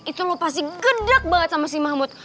itu lo pasti gendrak banget sama si mahmud